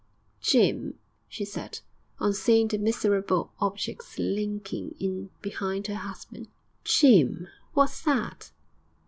'Jim,' she said, on seeing the miserable object slinking in behind her husband, 'Jim, what's that?'